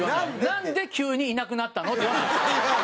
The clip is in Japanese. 「なんで急にいなくなったの？」って言わないの？